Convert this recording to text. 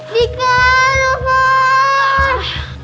dikarun pak rt